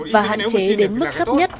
và hạn chế đến mức thấp nhất